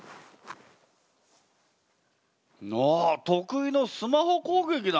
あっ得意のスマホ攻撃だね。